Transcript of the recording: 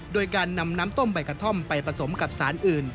โดยการนำน้ำต้มใบกระท่อมไปผสมกับสารอื่น